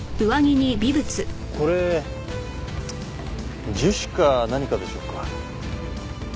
これ樹脂か何かでしょうか？